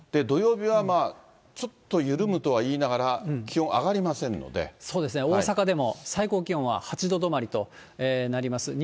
土曜日はまあ、ちょっと緩むとはいいながら、そうですね、大阪でも、最高気温は８度止まりとなります。